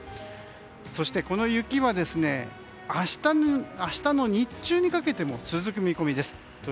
そして、この雪は明日の日中にかけても続く見込みです。